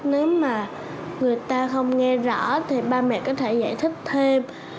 nếu mà người ta không nghe rõ thì ba mẹ có thể giải thích thêm